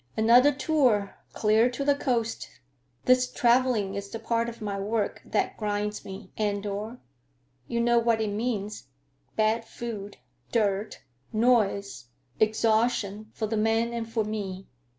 "Another tour, clear to the coast. This traveling is the part of my work that grinds me, Andor. You know what it means: bad food, dirt, noise, exhaustion for the men and for me.